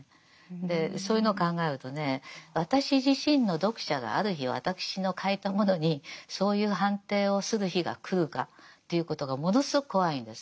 でそういうのを考えるとね私自身の読者がある日私の書いたものにそういう判定をする日が来るかということがものすごく怖いんです。